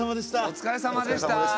お疲れさまでした。